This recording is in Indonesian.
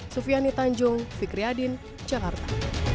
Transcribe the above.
sufiani tanjung fikri adin jakarta